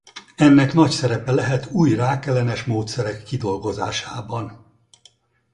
Ennek nagy szerepe lehet új rákellenes módszerek kidolgozásában.